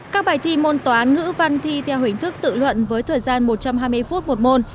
các bài thi môn toán ngữ văn thi theo hình thức tự luận với thời gian một trăm hai mươi phút một môn